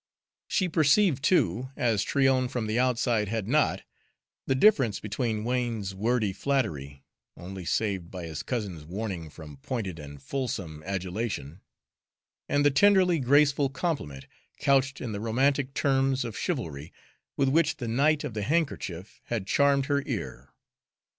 She perceived, too, as Tryon from the outside had not, the difference between Wain's wordy flattery (only saved by his cousin's warning from pointed and fulsome adulation), and the tenderly graceful compliment, couched in the romantic terms of chivalry, with which the knight of the handkerchief had charmed her ear.